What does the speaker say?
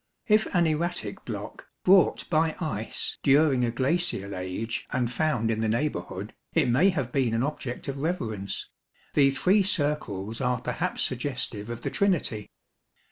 If an erratic block, brought by ice during a glacial age and found in the neighbourhood, it may have been an object of reverence ; the three circles are perhaps suggestive of the Trinity.